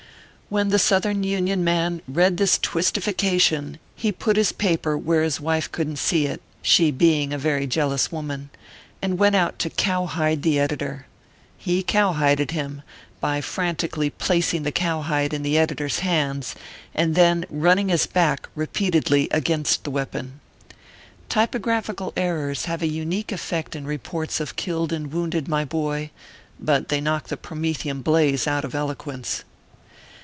" When the southern Union man read this twistifi cation, he put his paper where his wife couldn t see it (she being a very jealous woman), and went out to cowhide the editor. He cowhided him, by frantically placing the cowhide in the editor s hands, and then running his back repeatedly against the weapon. Ty pographical eiTors have a unique effect in reports of killed and wounded, my boy ; but they knock the Promethean blaze out of eloquence.